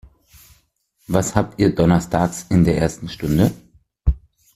Was habt ihr donnerstags in der ersten Stunde?